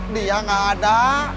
dia gak ada